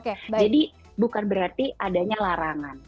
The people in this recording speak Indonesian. jadi bukan berarti adanya larangan